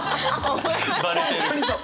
本当にそう。